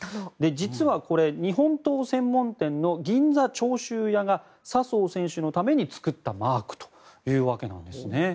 実はこれ、日本刀専門店の銀座長州屋が笹生選手のために作ったマークというわけなんですね。